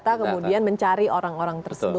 tapi perusahaan asuransi